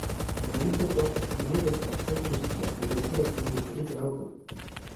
Za malý poplatek se mohli dostat přes mříže a mohli se dotknout některých drahokamů.